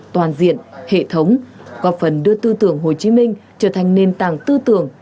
toàn diện hệ thống góp phần đưa tư tưởng hồ chí minh trở thành nền tảng tư tưởng